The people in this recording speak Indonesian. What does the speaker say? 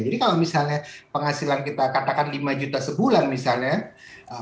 jadi kalau misalnya penghasilan kita katakan lima juta sebulan misalnya